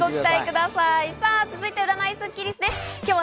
続いて占いスッキりすです。